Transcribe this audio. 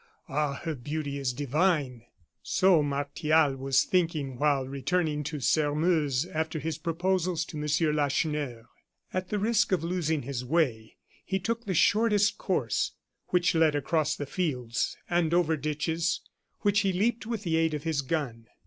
Ah! her beauty is divine!" So Martial was thinking while returning to Sairmeuse after his proposals to M. Lacheneur. At the risk of losing his way he took the shortest course, which led across the fields and over ditches, which he leaped with the aid of his gun.